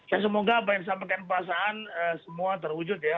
ya semoga apa yang disampaikan pak saan semua terwujud ya